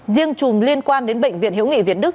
riêng chùm liên quan đến bệnh viện hiếu nghị việt đức